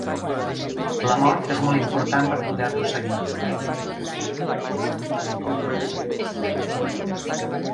La mort és molt important per poder-lo seguir.